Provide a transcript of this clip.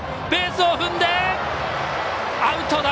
ベースを踏んで、アウト！